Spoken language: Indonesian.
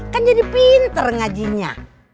kan jadi pinter ngajinya